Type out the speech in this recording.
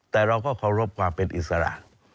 แต่เราก็เคารพความเป็นอิสระ